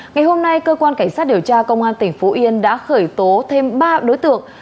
ngày hôm nay cơ quan cảnh sát điều tra công an tỉnh phú yên đã khởi tố thêm ba đối tượng